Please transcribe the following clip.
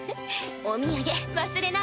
お土産忘れないでね？